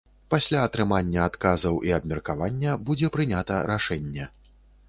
Пасля атрымання адказаў і абмеркавання будзе прынята рашэнне.